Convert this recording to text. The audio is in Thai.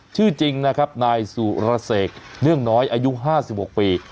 ชื่อจริงนะครับนายสุรเสกเนื่องน้อยอายุ๕๖ปี